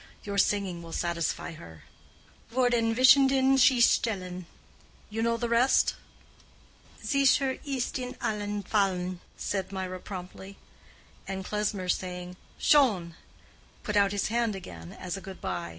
Your singing will satisfy her: 'Vor den Wissenden sich stellen;' you know the rest?" "'Sicher ist's in allen Fällen.'" said Mirah, promptly. And Klesmer saying "Schön!" put out his hand again as a good by.